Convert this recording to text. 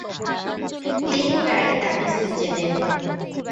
তিনি প্রায় দামেস্ক যেতেন।